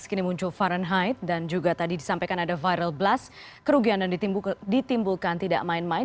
kini muncul fahrenheit dan juga tadi disampaikan ada viral blast kerugian yang ditimbulkan tidak main main